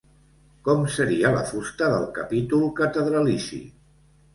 Com seria la fusta del capítol catedralici?